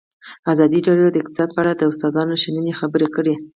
ازادي راډیو د اقتصاد په اړه د استادانو شننې خپرې کړي.